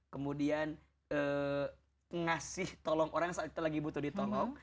kemudian ngasih tolong orang saat kita lagi butuh ditolong